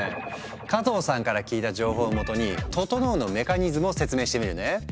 加藤さんから聞いた情報をもとに「ととのう」のメカニズムを説明してみるね。